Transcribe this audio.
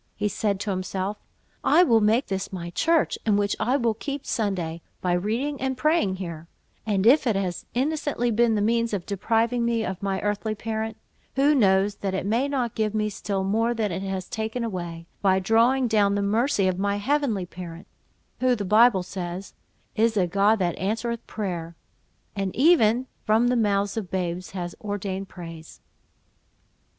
He said to himself—"I will make this my church, in which I will keep Sunday, by reading and praying here; and if it has innocently been the means of depriving me of my earthly parent, who knows that it may not give me still more than it has taken away, by drawing down the mercy of my heavenly parent, who, the Bible says, 'is a God that answereth prayer,' and even 'from the mouths of babes has ordained praise.'"